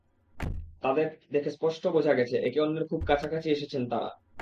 তাঁদের দেখে স্পষ্ট বোঝা গেছে, একে অন্যের খুব কাছাকাছি এসেছেন তাঁরা।